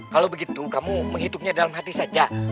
kalau begitu kamu menghitungnya dalam hati saja